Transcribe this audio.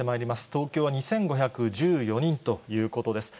東京は２５１４人ということです。